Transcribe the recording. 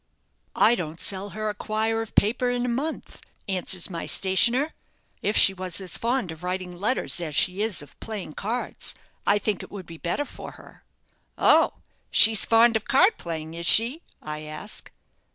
'I don't sell her a quire of paper in a month,' answers my stationer. 'If she was as fond of writing letters as she is of playing cards, I think it would be better for her.' 'Oh, she's fond of card playing is she?' I ask.